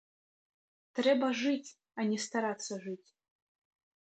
Трэба жыць, а не старацца жыць.